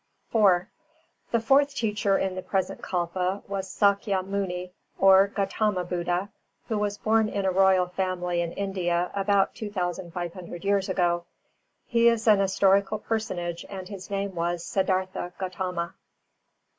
IV The fourth Teacher in the present kalpa was Sākya Muni, or Gautama Buddha, who was born in a Royal family in India about 2,500 years ago. He is an historical personage and his name was Siddhārtha Gautama.